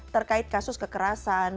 terkait kasus kekerasan